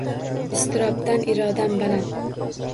Iztirobdan irodam baland.